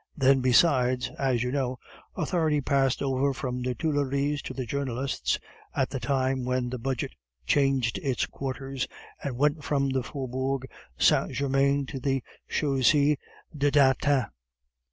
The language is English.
Then besides, as you know, authority passed over from the Tuileries to the journalists, at the time when the Budget changed its quarters and went from the Faubourg Saint Germain to the Chaussee de Antin.